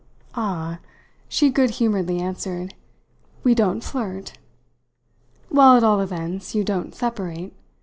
"Ah," she good humouredly answered, "we don't flirt!" "Well, at all events, you don't separate.